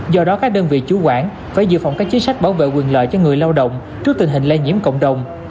do đó các đơn vị chủ quản phải dự phòng các chính sách bảo vệ quyền lợi cho người lao động trước tình hình lây nhiễm cộng đồng